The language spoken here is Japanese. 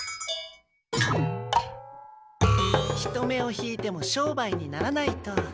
人目を引いても商売にならないと。